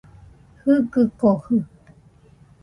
Jɨgɨkojɨ